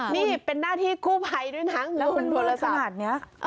นี่เป็นหน้าที่กู้ไพด้วยนะคะแล้วมันมืดขนาดเนี้ย